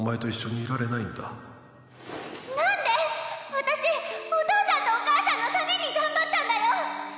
私お父さんとお母さんのために頑張ったんだよ。